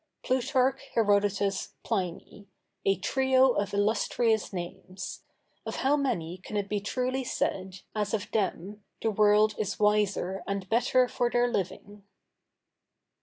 Plutarch, Herodotus, Pliny—a trio of illustrious names! Of how many can it be truly said, as of them, the world is wiser and better for their living?